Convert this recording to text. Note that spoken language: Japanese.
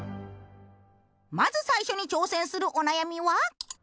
まず最初に挑戦するお悩みは。